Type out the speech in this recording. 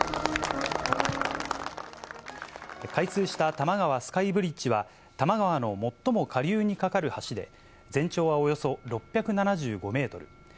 開通した多摩川スカイブリッジは、多摩川の最も下流に架かる橋で、全長はおよそ６７５メートル。